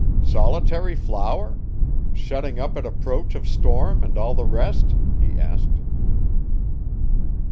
"Solitary flower? Shutting up at approach of storm, and all the rest?" he asked.